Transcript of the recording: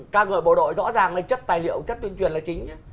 các người bộ đội rõ ràng chất tài liệu chất tuyên truyền là chính